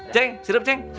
ceng sirup ceng